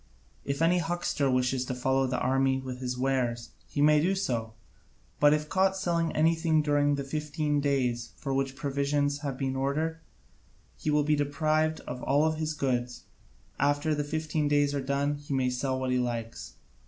If any huckster wishes to follow the army with his wares, he may do so, but if caught selling anything during the fifteen days for which provisions have been ordered, he will be deprived of all his goods: after the fifteen days are done he may sell what he likes.